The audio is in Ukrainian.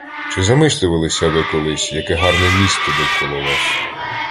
Чи замислювалися ви колись, яке гарне місто довкола вас?